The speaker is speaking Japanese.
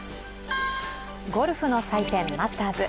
ゴルフの祭典マスターズ。